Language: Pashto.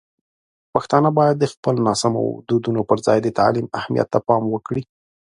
پښتانه باید د خپلو ناسمو دودونو پر ځای د تعلیم اهمیت ته پام وکړي.